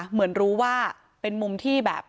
เหมือนรู้ว่าเป็นมุมที่แบบ